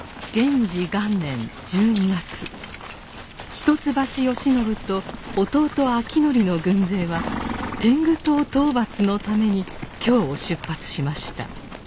一橋慶喜と弟昭徳の軍勢は天狗党討伐のために京を出発しました。